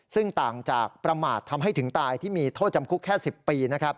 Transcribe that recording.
ซึ่งต่างจากประมาททำให้ถึงตายที่มีโทษจำคุกแค่๑๐ปี